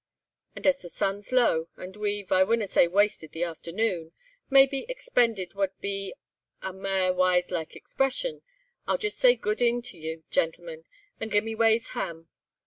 "And, as the sun's low, and we've, I winna say wasted the afternoon—maybe expended wad be a mair wise like expression—I'll just say good e'en to you, gentlemen, and gae me ways hame.